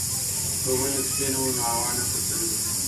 که ونې کښېنوو نو هوا نه ککړیږي.